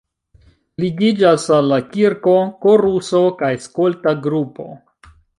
Ligiĝas al la kirko koruso kaj skolta grupo.